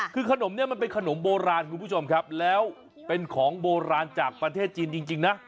คือขนมนี้มันเป็นขนมโบราณคุณผู้ชมครับแล้วเป็นของโบราณจากประเทศจีนจริงนะ